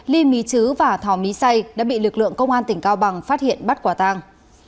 ly mí chứ và thỏ mí say đã bị lực lượng công an tỉnh cao bằng phát hiện bắt quả tàng